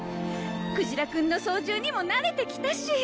くじら君の操縦にも慣れてきたし。